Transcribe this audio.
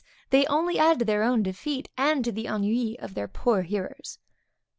they only add to their own defeat, and to the ennui of their poor hearers.